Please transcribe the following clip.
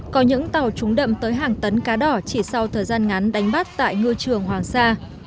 có những tàu trúng đậm tới hàng tấn cá đỏ chỉ sau thời gian ngắn đánh bắt tại ngư trường hoàng sa